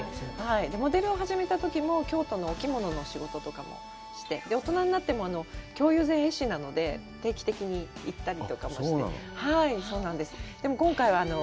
モデルを始めたときも、京都のお着物の仕事をして、大人になっても、京友禅絵師なので、定期的に行ったりとかもして。